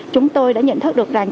chúng tôi đã nhận thức được rằng